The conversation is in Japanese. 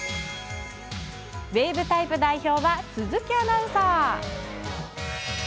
ウエーブタイプ代表は鈴木アナウンサー。